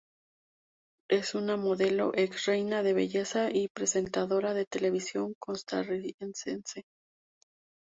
Es una modelo ex-reina de belleza y presentadora de televisión costarricense.